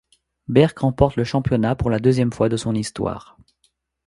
Berck remporte le championnat pour la deuxième fois de son histoire.